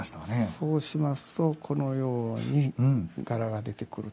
そうしますとこのように柄が出てくると。